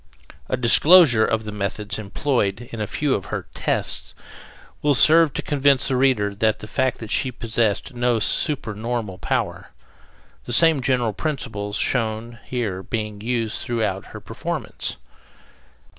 A disclosure of the methods employed in a few of her "tests" will serve to convince the reader of the fact that she possessed no supernormal power, the same general principles shown here being used throughout her performance.